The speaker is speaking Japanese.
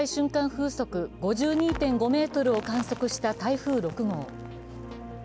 風速５２．５メートルを観測した台風６号。